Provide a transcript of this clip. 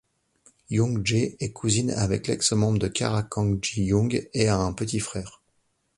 Yoon-G est cousine avec l'ex-membre de Kara Kang Ji-young, et a un petit frère.